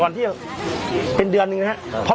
เที่ยวเป็นเดือนหนึ่งนะครับ